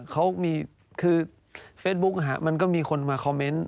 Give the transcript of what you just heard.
เขามีคือเฟซบุ๊กมันก็มีคนมาคอมเมนต์